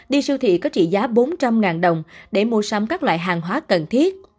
đi siêu thị có trị giá bốn trăm linh đồng để mua sắm các loại hàng hóa cần thiết